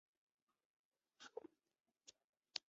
塔利特是男性犹太教徒在礼拜时穿着的一种披肩。